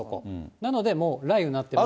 なので、もう雷雨になってまして。